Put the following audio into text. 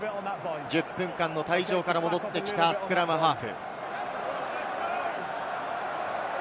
１０分間の退場から戻ってきた、スクラムハーフ。